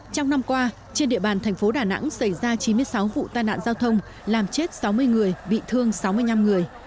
trong năm qua trên địa bàn thành phố đà nẵng xảy ra chín mươi sáu vụ tai nạn giao thông làm chết sáu mươi người bị thương sáu mươi năm người